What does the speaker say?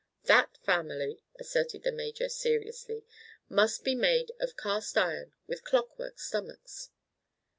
"That family," asserted the major seriously, "must be made of cast iron, with clockwork stomachs."